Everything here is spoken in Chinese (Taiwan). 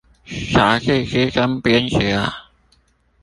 啥是資深編輯啊？